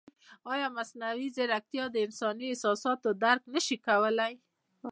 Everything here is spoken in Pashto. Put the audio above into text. ایا مصنوعي ځیرکتیا د انساني احساساتو درک نه شي کولی؟